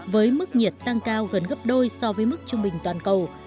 với mức nhiệt tăng cao gần gấp đôi so với mức trung bình toàn cầu